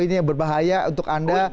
ini yang berbahaya untuk anda